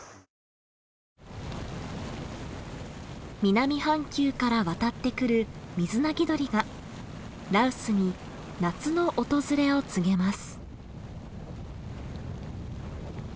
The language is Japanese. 南半球から渡ってくるミズナギドリが羅臼に夏の訪れを告げます。